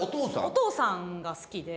お父さんが好きで。